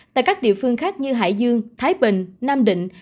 tại các địa phương khác như hải dương thái bình nam định